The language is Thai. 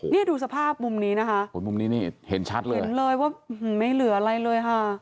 นี่ดูสภาพมุมนี้นะคะโอ้มุมนี้นี่เห็นชัดเลยเห็นเลยว่าไม่เหลืออะไรเลยค่ะ